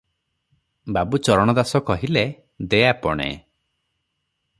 ବାବୁ ଚରଣ ଦାସ କହିଲେ-ଦେ ଆପଣେ!